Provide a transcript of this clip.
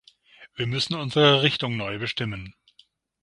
Wir müssen unsere Richtung neu bestimmen.